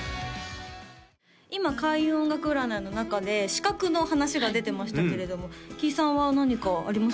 今開運音楽占いの中で資格の話が出てましたけれどもキイさんは何かあります？